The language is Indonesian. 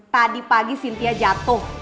tadi pagi sintia jatuh